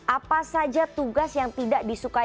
apa saja tugas yang tidak disukai